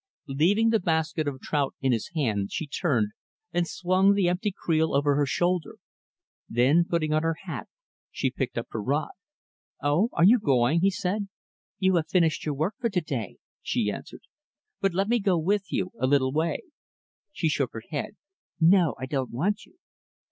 Leaving the basket of trout in his hand, she turned, and swung the empty creel over her shoulder. Then, putting on her hat, she picked up her rod. "Oh are you going?" he said. "You have finished your work for to day," she answered "But let me go with you, a little way." She shook her head. "No, I don't want you."